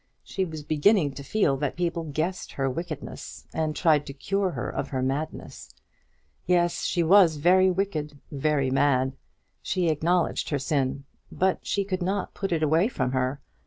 She was beginning to feel that people guessed her wickedness, and tried to cure her of her madness. Yes; she was very wicked very mad. She acknowledged her sin, but she could not put it away from her.